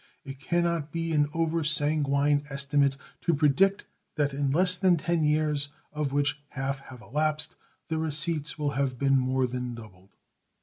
It can not be an over sanguine estimate to predict that in less than ten years, of which half have elapsed, the receipts will have been more than doubled.